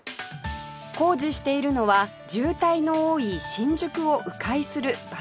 工事しているのは渋滞の多い新宿を迂回するバイパス道路